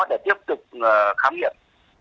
để tiếp tục khám nghiệm